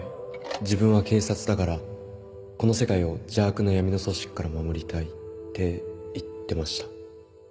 「自分は警察だからこの世界を邪悪な闇の組織から守りたい」って言ってました